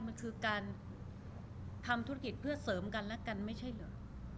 มันคือการทำธุรกิจเพื่อเสริมกันและกันไม่ใช่เหรอ